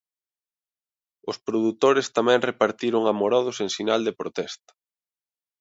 Os produtores tamén repartiron amorodos en sinal de protesta.